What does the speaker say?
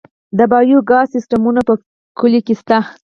د بایو ګاز سیستمونه په کلیو کې شته؟